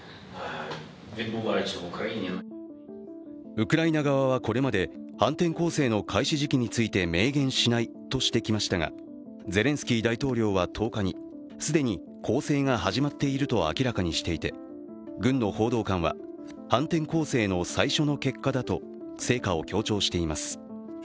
ウクライナ側はこれまで反転攻勢の開始時期について、明言しないとしてきましたがゼレンスキー大統領は１０日に既に攻勢が始まっていると明らかにしていて軍の報道官は、反転攻勢の最初の結果だと成果を強調しています。